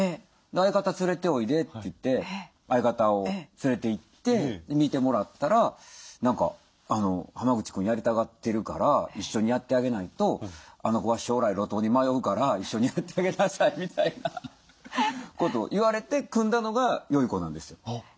「相方連れておいで」って言って相方を連れていって見てもらったら「何か濱口君やりたがってるから一緒にやってあげないとあの子は将来路頭に迷うから一緒にやってあげなさい」みたいなことを言われて組んだのが「よゐこ」なんですよ。